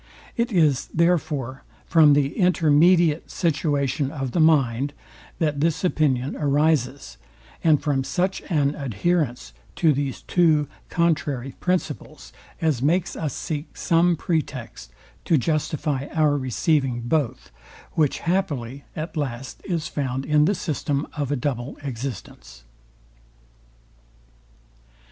It is therefore from the intermediate situation of the mind, that this opinion arises, and from such an adherence to these two contrary principles, as makes us seek some pretext to justify our receiving both; which happily at last is found in the system of a double existence.